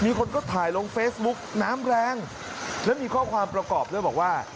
มีคนก็ถ่ายลงเฟซบุ๊กน้ำแรงแล้วมีข้อความประกอบด้วยบอกว่า